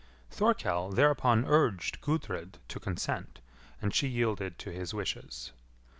Thorkell thereupon urged Gudrid to consent, and she yielded to his wishes.